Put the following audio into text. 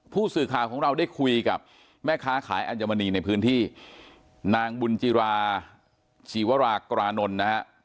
ผู้สื่อข่าวของเราได้คุยกับแม่ค้าขายอัญมณีในพื้นที่นางบุญจิราชีวรากรานนท์นะฮะ